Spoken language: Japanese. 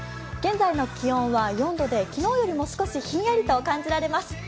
現在の気温は４度で昨日よりも少しひんやりと感じられます。